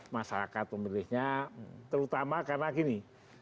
masyarakat pemilihnya terutama karena gini